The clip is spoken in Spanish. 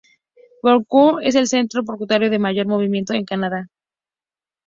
Vancouver es el centro portuario de mayor movimiento en Canadá.